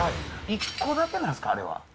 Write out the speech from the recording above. １個だけなんですか、あれは。